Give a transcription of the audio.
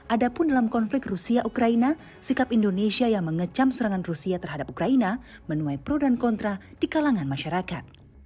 adapun dalam konflik rusia ukraina sikap indonesia yang mengecam serangan rusia terhadap ukraina menuai pro dan kontra di kalangan masyarakat